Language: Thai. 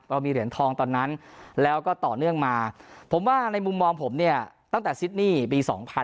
มีเหรียญทองตอนนั้นแล้วก็ต่อเนื่องมาผมว่าในมุมมองผมเนี่ยตั้งแต่ซิดนี่ปี๒๐๑๖